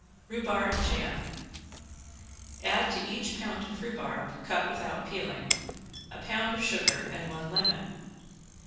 ~RHUBARB JAM~ Add to each pound of rhubarb cut without peeling, a pound of sugar and one lemon.